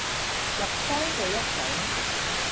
入聲嘅一種